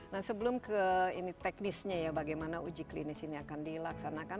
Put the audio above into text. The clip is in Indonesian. nah sebelum ke ini teknisnya ya bagaimana uji klinis ini akan dilaksanakan